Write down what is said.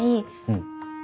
うん。